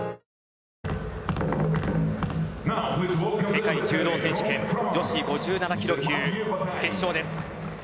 世界柔道選手権女子５７ｋｇ級決勝です。